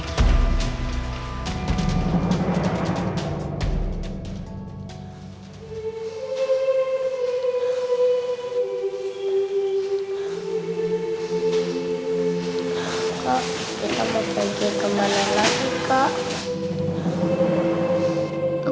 kak kita mau pergi kemana lagi kak